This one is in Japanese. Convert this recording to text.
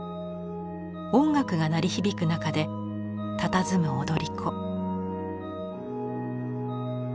音楽が鳴り響く中でたたずむ踊り子。